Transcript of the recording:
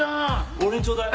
俺にちょうだい。